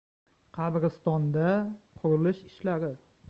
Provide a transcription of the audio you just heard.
Qabristonda... qurilish ishlari